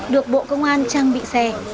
được bộ công an trang bị xe